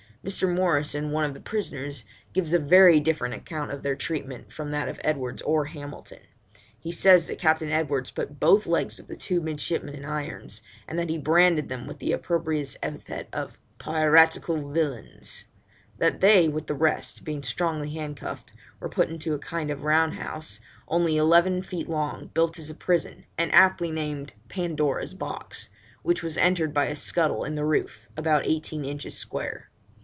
Mr. Morrison, one of the prisoners, gives a very different account of their treatment from that of Edwards or Hamilton. He says that Captain Edwards put both legs of the two midshipmen in irons, and that he branded them with the opprobrious epithet of 'piratical villains': that they, with the rest, being strongly handcuffed, were put into a kind of round house only eleven feet long, built as a prison, and aptly named 'Pandora's Box,' which was entered by a scuttle in the roof, about eighteen inches square.